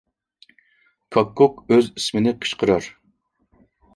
كاككۇك ئۆز ئىسمىنى قىچقىرار.